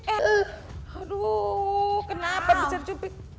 aduh kenapa bisa dicubin